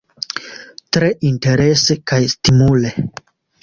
Tre interese kaj stimule.